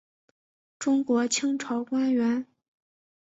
中国清朝官员。